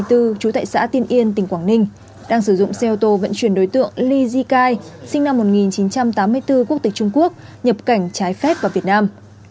trú tại xã tiên yên tỉnh quảng ninh đang sử dụng xe ô tô vận chuyển đối tượng ly jicai sinh năm một nghìn chín trăm tám mươi bốn quốc tịch trung quốc nhập cảnh trái phép vào việt nam